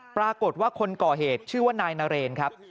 ปรากฏว่าคนก่อเหตุชื่อว่านายนเรนครับ